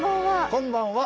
こんばんは。